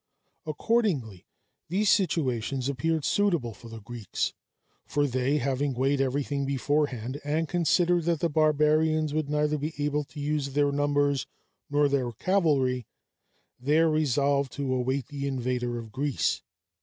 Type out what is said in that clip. Accordingly, these situations appeared suitable for the Greeks; for they, having weighed everything beforehand, and considered that the barbarians would neither be able to use their numbers nor their cavalry, there resolved to await the invader of Greece.